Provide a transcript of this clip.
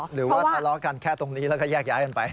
หรือว่าทะเลาะกันแค่ตรงนี้แล้วก็แยกย้ายกันไป